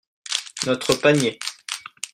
Notre panier.